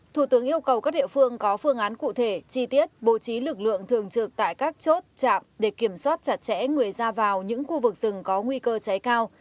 thủ tướng yêu cầu các địa phương có phương án cụ thể chi tiết bố trí lực lượng thường trực tại các chốt chạm để kiểm soát chặt chẽ người ra vào những khu vực rừng có nguy cơ cháy cao